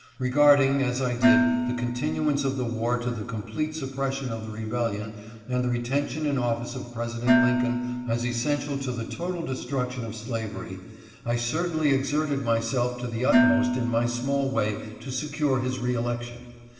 Regarding, as I did, the continuance of the war to the complete suppression of the rebellion and the reten tion in office of President Lincoln as essential to the total LINCOLN'S RE ELECTION. 439 destruction of slavery, I certainly exerted myself to the uttermost in my small way to secure his reelection.